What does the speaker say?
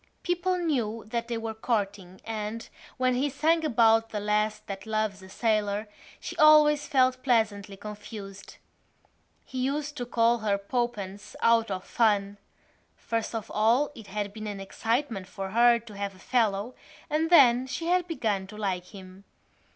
People knew that they were courting and, when he sang about the lass that loves a sailor, she always felt pleasantly confused. He used to call her Poppens out of fun. First of all it had been an excitement for her to have a fellow and then she had begun to like him.